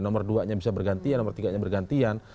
nomor duanya bisa bergantian nomor tiganya bergantian